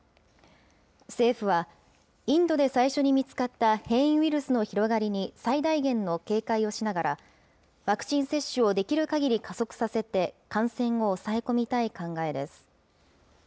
政府は、インドで最初に見つかった変異ウイルスの広がりに最大限の警戒をしながら、ワクチン接種をできるかぎり加速させて、感染を抑え込みたい考えです。